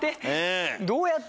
どうやって？